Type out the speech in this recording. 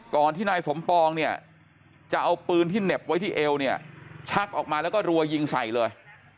ที่นายสมปองเนี่ยจะเอาปืนที่เหน็บไว้ที่เอวเนี่ยชักออกมาแล้วก็รัวยิงใส่เลย